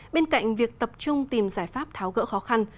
bên cạnh việc tập trung tìm giải pháp tháo gỡ khó khăn